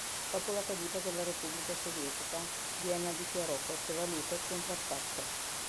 Dopo la caduta della repubblica sovietica, Vienna dichiarò queste valute contraffatte.